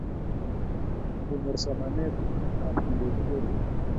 Kenyor somanet ab kendochikei